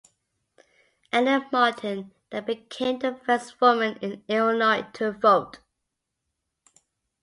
Ellen Martin then became the first woman in Illinois to vote.